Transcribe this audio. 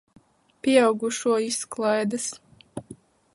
Pieaugušo izklaides.